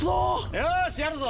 よしやるぞ！